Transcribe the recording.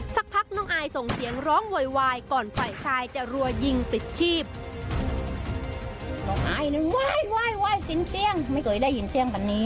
สักพักน้องอายส่งเสียงร้องโวยวายก่อนฝ่ายชายจะรัวยิงปิดชีพ